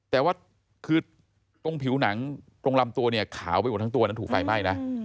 แต่ว่าคือตรงผิวหนังตรงลำตัวขาวไปทั้งตัวถูกไฟไหม้นะ